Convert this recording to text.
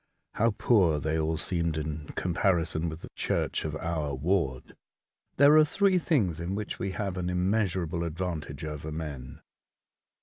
How poor they all seemed in comparison with the church of our ward ! There are three things in which we have an immeasurable advantage over men.